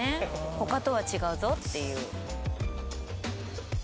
他とは違うぞっていう。